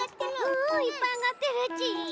うんいっぱいあがってるち。